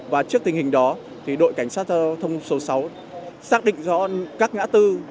và trước tình hình đó đội cảnh sát giao thông số sáu xác định rõ các ngã tư